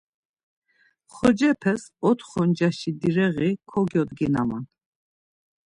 Xocepes otxo ncaşi direği kogyodginaman.